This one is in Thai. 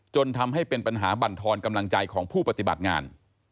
จนทำให้เป็นปัญหาบรรทอนกำลังใจของผู้ปฏิบัติงาน